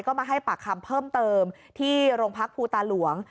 ก็มาให้ปากคำเพิ่มเติมที่โรงพักภูตาหลวง